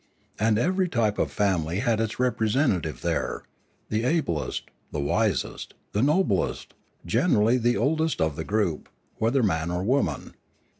And every type of family had its representative there, the ablest, the wisest, the noblest, generally the oldest of the group, whether man or woman.